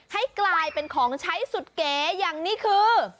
ให้กลายเป็นของใช้สุดเก๋อย่างนี้คือ